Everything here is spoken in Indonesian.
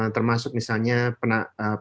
termasuk misalnya penerapan elektronik ipo atau eip